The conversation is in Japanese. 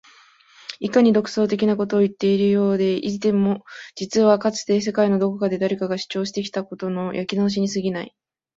いかに独創的なことを言っているようでいても実はかつて世界のどこかで誰かが主張したことの焼き直しに過ぎない